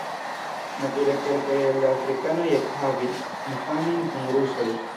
Nature kelkaj el la afrikanoj ekhavis infanojn kun rusoj.